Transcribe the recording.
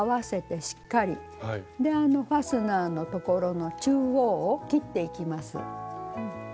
でファスナーのところの中央を切っていきます。